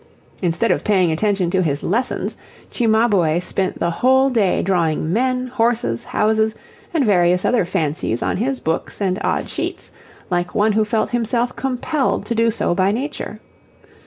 Instead of paying attention to his lessons, Cimabue spent the whole day drawing men, horses, houses, and various other fancies on his books and odd sheets, like one who felt himself compelled to do so by nature.